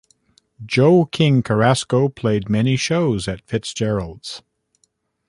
Joe King Carrasco played many shows at Fitzgerald's.